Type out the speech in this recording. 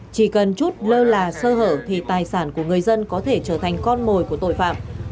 chỉ cần chút lơ là sơ hở thì tài sản của người dân có thể trở thành con mồi của tội phạm